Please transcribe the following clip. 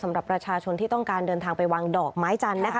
สำหรับประชาชนที่ต้องการเดินทางไปวางดอกไม้จันทร์นะคะ